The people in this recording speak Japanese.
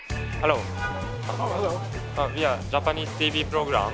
ウィーアージャパニーズＴＶプログラム。